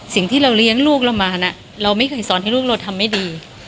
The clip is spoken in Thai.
สิ่งที่เราเลี้ยงลูกเรามานะเราไม่เคยสอนให้ลูกเราทำไม่ดี